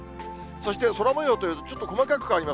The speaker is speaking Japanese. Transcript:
そして空もようというと、ちょっと細かく変わります。